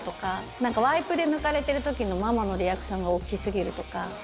なんかワイプで抜かれてるときのママのリアクションが大きすぎるとか。